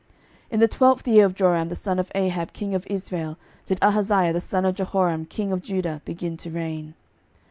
12:008:025 In the twelfth year of Joram the son of Ahab king of Israel did Ahaziah the son of Jehoram king of Judah begin to reign.